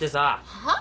はあ！？